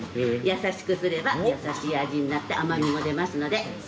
優しくすれば優しい味になって甘みも出ますので。